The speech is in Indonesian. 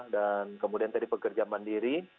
dan kemudian tadi pekerja mandiri